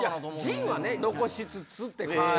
陣は残しつつって感じの。